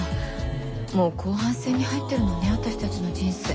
もう後半戦に入ってるのね私たちの人生。